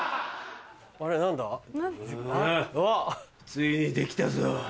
ついに出来たぞ。